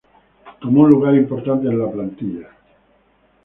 Tomó un lugar importante en la Plantilla.